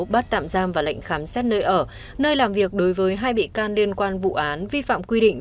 bắt tạm giam và lệnh khám xét nơi ở nơi làm việc đối với hai bị can liên quan vụ án vi phạm quy định